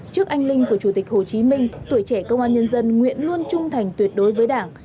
trước anh linh của chủ tịch hồ chí minh tuổi trẻ công an nhân dân nguyện luôn trung thành tuyệt đối với đảng